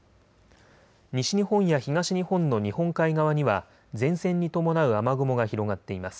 西日本や東日本の日本海側には前線に伴う雨雲が広がっています。